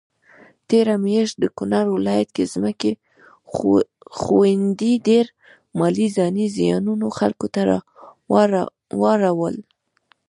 تيره مياشت د کونړ ولايت کي ځمکي ښویدني ډير مالي ځانی زيانونه خلکوته واړول